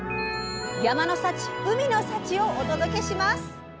山の幸海の幸をお届けします！